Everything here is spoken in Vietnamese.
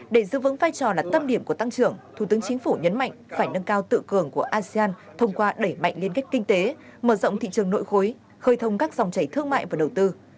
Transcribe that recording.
để giữ vững vai trò là tâm điểm của tăng trưởng thủ tướng chính phủ nhấn mạnh phải nâng cao tự cường của asean thông qua đẩy mạnh liên kết kinh tế mở rộng thị trường nội khối khơi thông các dòng chảy thương mại và đầu tư